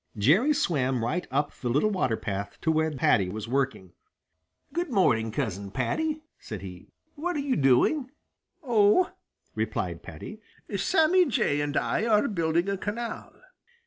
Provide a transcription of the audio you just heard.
Jerry swam right up the little water path to where Paddy was working. "Good morning, Cousin Paddy," said he. "What are you doing?" "Oh," replied Paddy, "Sammy Jay and I are building a canal."